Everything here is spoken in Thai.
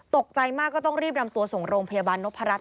ตกใจมากก็ต้องรีบนำตัวส่งโรงพยาบาลนพรัช